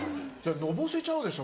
のぼせちゃうでしょ